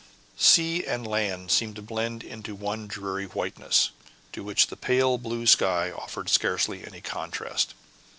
Sea and land seemed blended into one dreary whiteness, to which the pale blue sky offered scarcely any contrast.